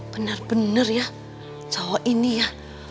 bener bener ya cowok ini ya